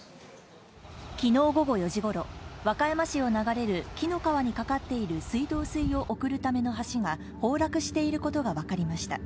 昨日午後４時頃、和歌山市を流れる紀の川に流れる水道水を送るための橋が崩落していることがわかりました。